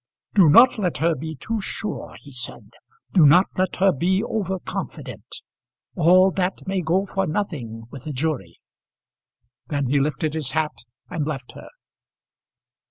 "Do not let her be too sure," he said. "Do not let her be over confident. All that may go for nothing with a jury." Then he lifted his hat and left her.